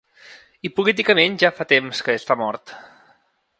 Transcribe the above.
I políticament ja fa temps que està mort.